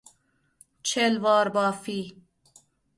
چلوار بافی